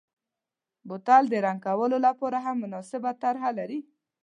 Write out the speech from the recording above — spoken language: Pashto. بوتل د رنګ کولو لپاره هم مناسبه سطحه لري.